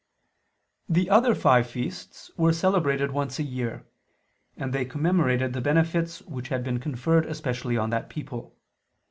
The other five feasts were celebrated once a year: and they commemorated the benefits which had been conferred especially on that people.